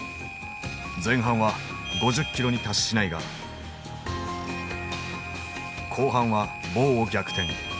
前半は５０キロに達しないが後半はボウを逆転。